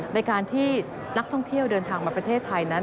ในการที่นักท่องเที่ยวเดินทางมาประเทศไทยนั้น